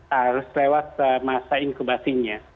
harus lewat masa inkubasinya